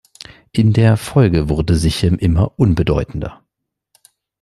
In der Folge wurde Sichem immer unbedeutender.